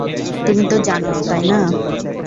তুমি তো জানো তাই না?